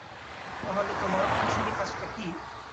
তাহলে তোমার, পুরুষালী কাজ টা কি?